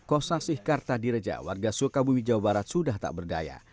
kosasih kartadireja warga sukabumi jawa barat sudah tak berdaya